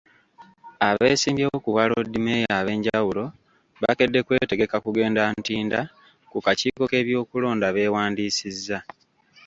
Abeesimbyewo ku Bwaloodimmeeya ab'enjawulo, bakedde kwetegeka kugenda Ntinda ku kakiiko k'ebyokulonda beewandiisiza.